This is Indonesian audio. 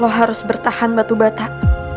kau harus bertahan batu batak